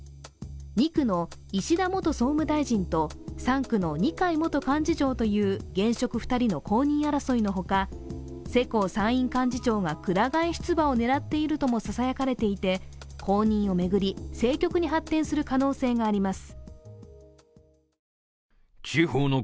２区の石田元総務大臣と３区の二階元幹事長という現職２人の後任争いのほか世耕参院幹事長がくら替え出馬を狙っているともささやかれていて公認を巡り、政局に発展する可能性があります。